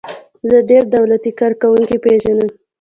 زه ډیر دولتی کارکوونکي پیژنم.